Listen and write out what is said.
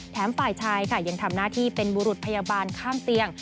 ฝ่ายชายค่ะยังทำหน้าที่เป็นบุรุษพยาบาลข้ามเตียง